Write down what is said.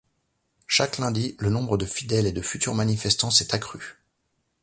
Chaque lundi, le nombre de fidèles et de futurs manifestants s'est accru.